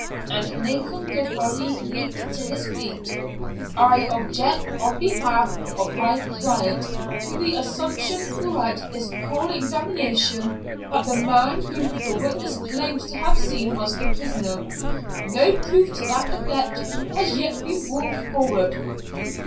And Nathan Goodbody leaped to his feet. "I object on behalf of my client to the assumption throughout this whole examination, that the man whom the witness claims to have seen was the prisoner. No proof to that effect has yet been brought forward."